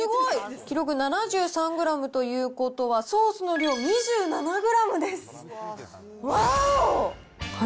記録７３グラムということは、ソースの量、２７グラムです。